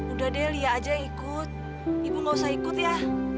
udah deh lia aja ikut ibu gak usah ikut ya